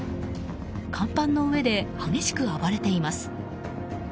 甲板の上で激しく暴れています。